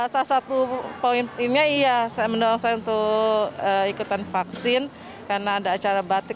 salah satu poinnya iya saya mendorong saya untuk ikutan vaksin karena ada acara batik